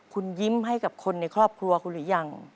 คุณยิ้มให้กับคนในครอบครัวคุณหรือยัง